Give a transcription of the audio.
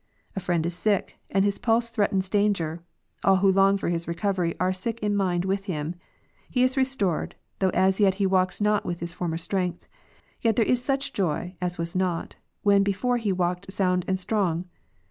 A friend is sick, and his pulse threatens danger ; all who long for his recovery, are sick in mind with him. He is restored, though as yet he walks not with his former strength ; yet there is such joy, as was not, when before he walked sound and strong.